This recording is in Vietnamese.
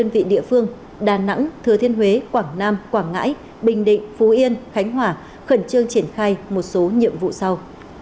đơn vị địa phương đà nẵng thừa thiên huế quảng nam quảng ngãi bình định phú yên khánh hòa khẩn trương triển khai một số nhiệm vụ sau